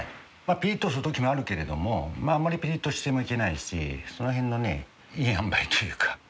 ピリッとする時もあるけれどもあんまりピリッとしてもいけないしその辺のねいいあんばいというか。